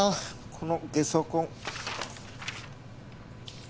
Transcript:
このゲソ痕。